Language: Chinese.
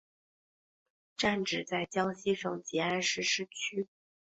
站址在江西省吉安市市区。